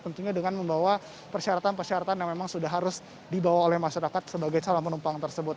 tentunya dengan membawa persyaratan persyaratan yang memang sudah harus dibawa oleh masyarakat sebagai calon penumpang tersebut